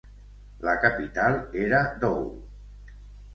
La capital era Dole.